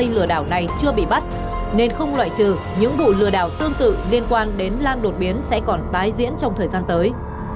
lừa đảo này chưa bị bắt nên không loại trừ những vụ lừa đảo tương tự liên quan đến lan đột biến sẽ còn tái diễn trong thời gian tới